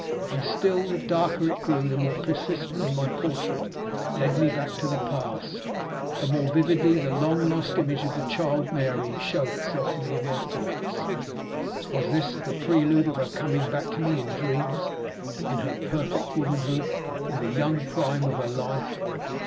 And still, the darker it grew, the more persistently my portrait led me back to the past, the more vividly the long lost image of the child Mary showed itself to me in my thoughts. Was this the prelude of her coming back to me in dreams; in her perfected womanhood, in the young prime of her life?